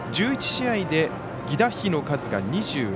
１１試合で犠打飛の数が２２。